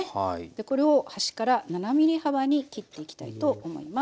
これを端から７ｍｍ幅に切っていきたいと思います。